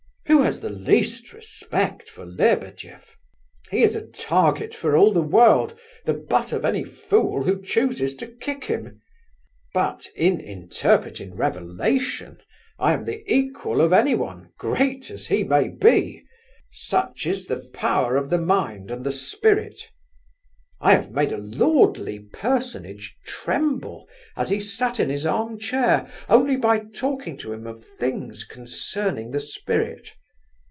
Who has the least respect for Lebedeff? He is a target for all the world, the butt of any fool who chooses to kick him. But in interpreting revelation I am the equal of anyone, great as he may be! Such is the power of the mind and the spirit. I have made a lordly personage tremble, as he sat in his armchair... only by talking to him of things concerning the spirit.